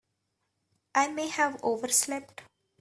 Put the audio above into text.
I may have overslept.